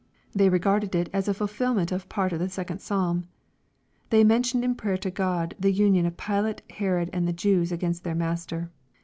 They regarded it as a fulfilment of part of the second Psalm. They mentioned in prayer to God the union of Pilate, Herod, and the Jews against their Master.